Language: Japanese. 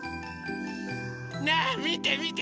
ねえみてみて！